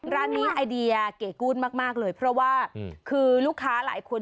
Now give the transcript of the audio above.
ร้านนี้ไอเดียเก๋กู้นมากเลยเพราะว่าคือลูกค้าหลายคน